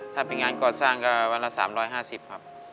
ถ้าเป็นงานก่อสร้างก็วันละ๓๕๐ครับ